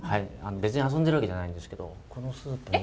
別に遊んでるわけじゃないんですけどこのスープに。